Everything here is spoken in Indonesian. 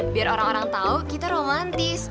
biar orang orang tahu kita romantis